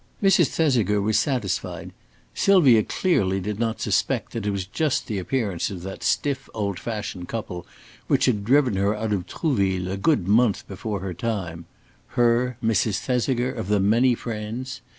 Mrs. Thesiger was satisfied. Sylvia clearly did not suspect that it was just the appearance of that stiff, old fashioned couple which had driven her out of Trouville a good month before her time her, Mrs. Thesiger of the many friends.